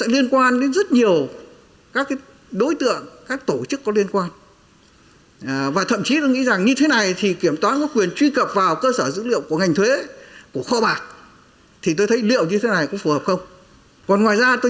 liên quan đến các doanh nghiệp có yếu tố nước ngoài